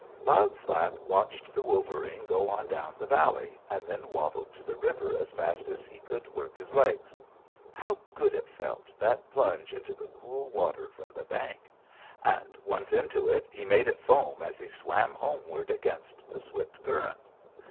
"Loud Slap watched the wolverine go on down the valley, and then waddled to the river as fast as he could work his legs. How good it felt, that plunge into the cool water from the bank! and, once into it, he made it foam as he swam homeward against the swift current.